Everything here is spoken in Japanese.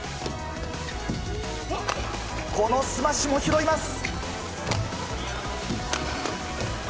スマッシュも拾います。